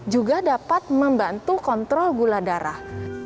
juga dapat membantu kontrol gula darah